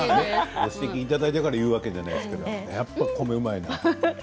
ご指摘いただいたから言うわけじゃないんですけどやっぱり米うまいなと。